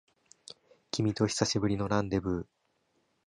君と久しぶりのランデブー